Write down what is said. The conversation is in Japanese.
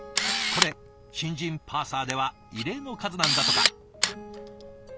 これ新人パーサーでは異例の数なんだとか。